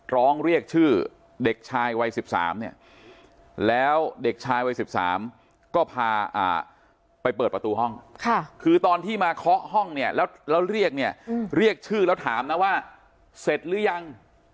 ร้องเรียกชื่อเด็กชายวัย๑๓เนี่ยแล้วเด็กชายวัย๑๓ก็พาไปเปิดประตูห้องคือตอนที่มาเคาะห้องเนี่ยแล้วเรียกเนี่ยเรียกชื่อแล้วถามนะว่าเสร็จหรือยัง